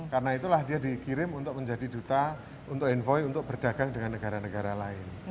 karena itulah dia dikirim untuk menjadi duta untuk envoy untuk berdagang dengan negara negara lain